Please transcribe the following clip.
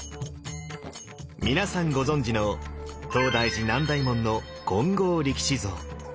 皆さんご存じの東大寺南大門の金剛力士像。